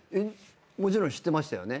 もちろん知ってましたよね？